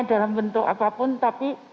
dalam bentuk apapun tapi